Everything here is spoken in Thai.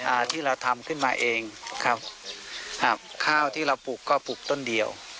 อ่าที่เราทำขึ้นมาเองครับอ่าข้าวที่เราปลูกก็ปลูกต้นเดียว